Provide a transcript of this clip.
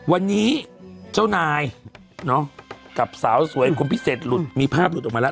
วันนี้เจ้านายกับสาวสวยคนพิเศษหลุดมีภาพหลุดออกมาแล้ว